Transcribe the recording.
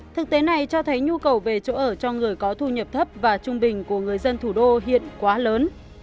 thực tế này cho thấy nhu cầu về chỗ ở cho người có thu nhập thấp và trung bình của người dân thủ đô hiện quá lớn